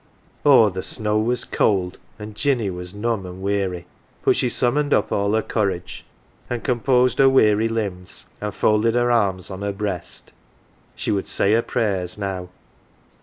Oh, the snow was cold, and Jinny was numb and weary ! But she summoned up all her courage, and composed her weary limbs, and folded her arms on her breast. She would say her prayers now.